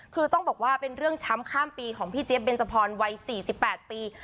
คือต้องบอกว่าเป็นเรื่องช้ำข้ามปีของพี่เจี๊ยเบนจพรวัย๔๘ปี